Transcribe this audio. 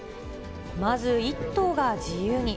まず、１頭が自由に。